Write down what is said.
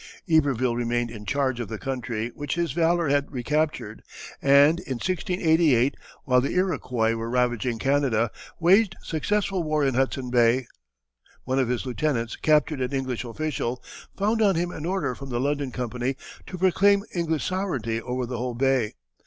Iberville remained in charge of the country which his valor had recaptured, and in 1688, while the Iroquois were ravaging Canada, waged successful war in Hudson Bay. One of his lieutenants, capturing an English official, found on him an order from the London Company to proclaim English sovereignty over the whole bay.